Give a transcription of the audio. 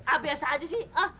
ah biasa aja sih